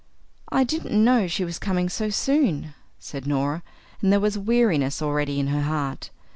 "I didn't know she was coming so soon," said Norah, and there was weariness already in her heart.